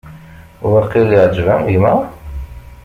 Waqil iɛǧeb-am gma?